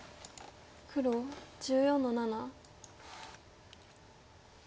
黒１４の七。